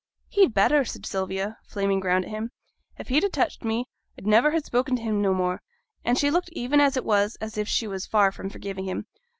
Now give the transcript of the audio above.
'He'd better,' said Sylvia, flaming round at him. 'If he'd a touched me, I'd niver ha' spoken to him no more.' And she looked even as it was as if she was far from forgiving him.